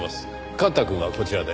幹太くんはこちらで。